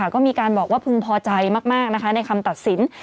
ก็มีการบอกว่าพึงพอใจมากในคำตัดสิน